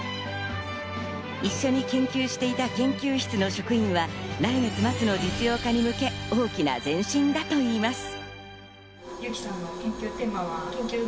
一緒に研究していた研究室の職員は、来月末の実用化に向け、大きな前進だといいます。